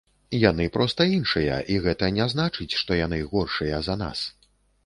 Яны проста іншыя і гэта не значыць, што яны горшыя за нас.